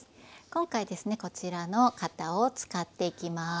今回ですねこちらの型を使っていきます。